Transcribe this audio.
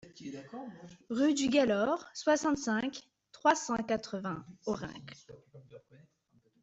Rue du Galor, soixante-cinq, trois cent quatre-vingts Orincles